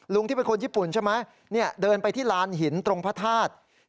ที่เป็นคนญี่ปุ่นใช่ไหมเดินไปที่ลานหินตรงพระธาตุ